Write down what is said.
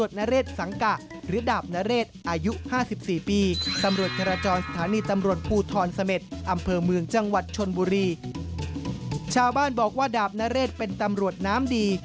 ชาวบ้านบอกว่าดาบนเรศเป็นตำรวจน้ำดี